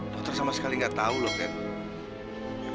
dokter sama sekali gak tau loh candy